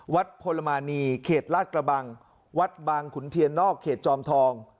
พลมานีเขตลาดกระบังวัดบางขุนเทียนนอกเขตจอมทอง